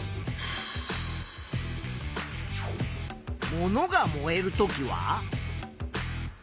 物が燃えるときは？